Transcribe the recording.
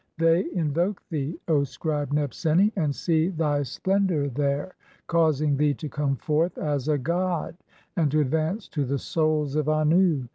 (44) They invoke thee, "O scribe Nebseni, and see thy splendour there, causing thee "to come forth [as] a god (45) and to advance to the Souls of "Annu.